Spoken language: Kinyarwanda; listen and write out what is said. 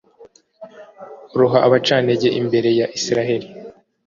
uhoraho abaca intege imbere ya israheli